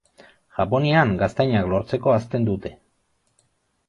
Japonian gaztainak lortzeko hazten dute.